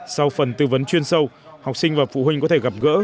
sau phần tư vấn chuyên sâu học sinh và phụ huynh có thể gặp gỡ